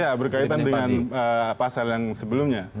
ya berkaitan dengan pasal yang sebelumnya